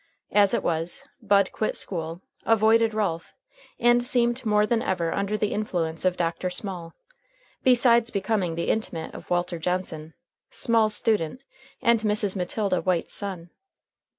As it was, Bud quit school, avoided Ralph, and seemed more than ever under the influence of Dr. Small, besides becoming the intimate of Walter Johnson, Small's student and Mrs. Matilda White's son.